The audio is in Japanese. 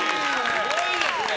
すごいですね。